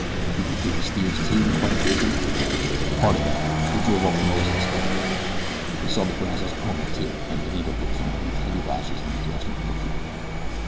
"Did they git the steers, too?" inquired Grayson. "Part of them we drove off most and scattered them. We saw the Brazos pony, too," and Benito looked from beneath heavy lashes in the direction of the bookkeeper.